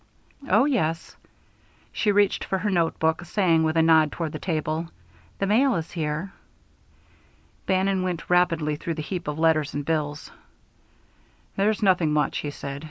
"Oh, yes." She reached for her notebook, saying, with a nod toward the table: "The mail is here." Bannon went rapidly through the heap of letters and bills. "There's nothing much," he said.